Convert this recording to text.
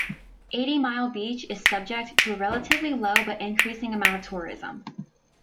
Eighty Mile Beach is subject to a relatively low but increasing amount of tourism.